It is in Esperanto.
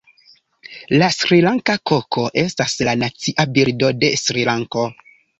La Srilanka koko estas la Nacia birdo de Srilanko.